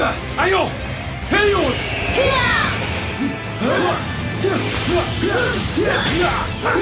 akhirnya kau juga mendatang